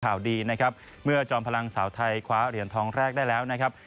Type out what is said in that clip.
ข่าวดีนะครับเมื่อจอมพลังสาวไทยคว้าเหรียญทองแรกได้แล้วนะครับ